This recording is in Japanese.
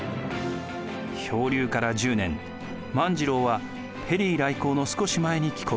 漂流から１０年万次郎はペリー来航の少し前に帰国。